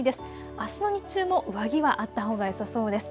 あすの日中も上着はあったほうがよさそうです。